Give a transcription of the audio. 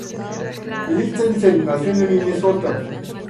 Lichtenstein nació en Minnesota.